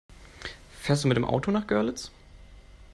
Fährst du mit dem Auto nach Görlitz?